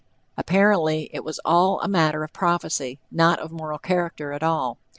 Apparently it was all a matter of prophecy, not of moral character at all.